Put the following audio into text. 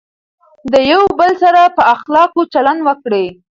د یو بل سره په اخلاقو چلند وکړئ.